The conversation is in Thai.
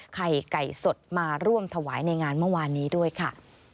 ไข่ไก่สดมาร่วมถวายในงานเมื่อวานนี้ด้วยค่ะ